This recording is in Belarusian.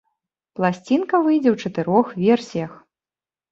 Пласцінка выйдзе ў чатырох версіях.